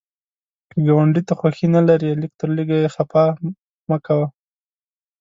که ګاونډي ته خوښي نه لرې، لږ تر لږه یې خفه مه کوه